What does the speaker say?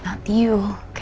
seperti bukan kamu